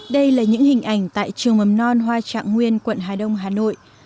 đây là những hình ảnh tại trường mầm non hoa trạng nguyên quận hà đông hà nội